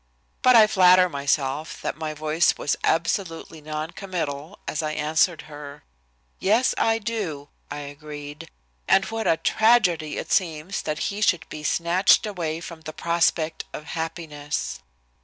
But I flatter myself that my voice was absolutely non committal as I answered her. "Yes, I do," I agreed, "and what a tragedy it seems that he should be snatched away from the prospect of happiness."